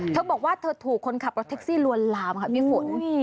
เธอบอกว่าเธอถูกคนขับรถแท็กซี่ลวนลามค่ะพี่ฝน